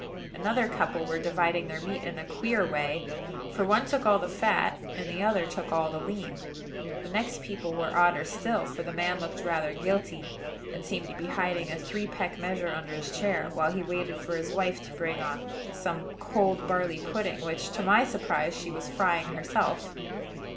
Another couple were dividing their meat in a queer way; for one took all the fat, and the other all the lean. The next people were odder still; for the man looked rather guilty, and seemed to be hiding a three peck measure under his chair, while he waited for his wife to bring on some cold barley pudding, which, to my surprise, she was frying herself.